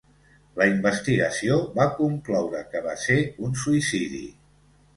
La investigació va concloure que va ser un suïcidi.